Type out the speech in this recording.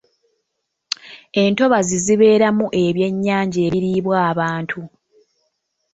Entobazi zibeeramu ebyennyanja ebiriibwa abantu.